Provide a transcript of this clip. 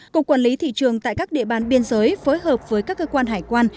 cục quản lý thị trường tại các địa bàn biên giới phối hợp với các cơ quan hải quan